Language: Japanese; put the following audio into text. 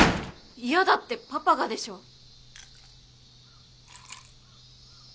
嫌だってパパがでしょ。